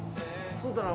そうだな。